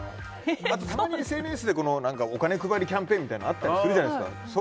たまにＳＮＳでお金配りキャンペーンとかあったりするじゃないですか。